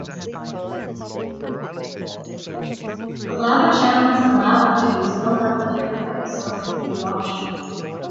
The lava channels (and lava tubes) built up the different episodes of the eruption.